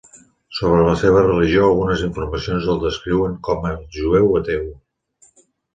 Sobre la seva religió, algunes informacions el descriuen com a jueu ateu.